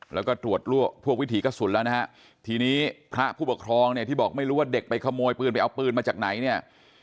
แล้วก็ตรวจพวกวิถีกระสุนแล้วนะฮะทีนี้พระผู้ปกครองเนี่ยที่บอกไม่รู้ว่าเด็กไปขโมยปืนไปเอาปืนมาจากไหนเนี่ย